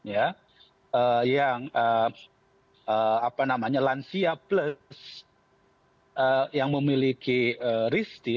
yang lansia plus yang memiliki ristir